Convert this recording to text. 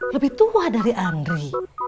lebih tua dari angri